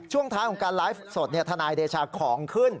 ช่วงท้ายของการไลฟ์สดทนายเดชาของขึ้น